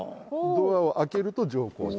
ドアを開けると「乗降中」。